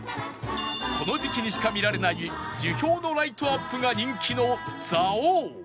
この時期にしか見られない樹氷のライトアップが人気の蔵王